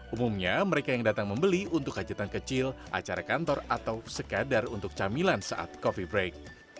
umumnya mereka yang datang membeli untuk hajatan kecil acara kantor atau sekadar untuk camilan saat coffee break